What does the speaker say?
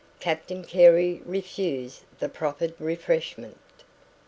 Captain Carey refused the proffered refreshment.